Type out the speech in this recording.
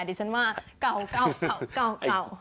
ดิฉันว่าเก่า